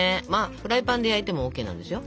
フライパンで焼いてもＯＫなんですよ。